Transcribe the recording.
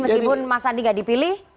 meskipun mas sandi nggak dipilih tetap